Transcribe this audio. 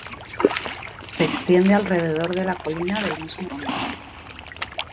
Se extiende alrededor de la colina del mismo nombre.